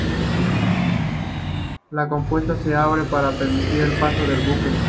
La compuerta se abre para permitir el paso del buque.